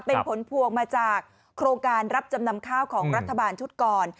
เป็นผลพวงมาจากโครงการรับจำนำข้าวของรัฐบาลชุดก่อน